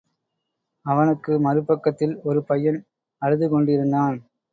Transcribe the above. அவனுக்கு மறுபக்கத்தில் ஒரு பையன் அழுதுகொண்டிருந்தான்.